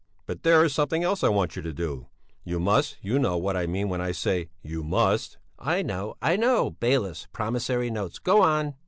But there is something else I want you to do. You must you know what I mean when I say you must...." "I know, I know, bailiffs, promissory notes go on!"